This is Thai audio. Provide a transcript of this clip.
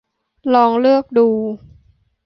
ลองเลือกดู